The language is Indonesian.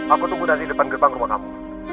aku tunggu dari depan gerbang rumah kamu